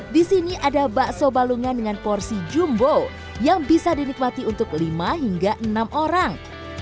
di sini ada bakso balungan dengan porsi jumbo yang bisa dinikmati untuk lima hingga enam orang